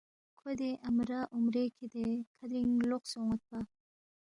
کھو دے امرا اُمرے کِھدے کھرِنگ لوقسے اون٘یدپا